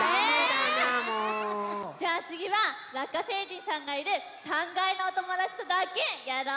じゃあつぎはラッカ星人さんがいる３かいのおともだちとだけやろう！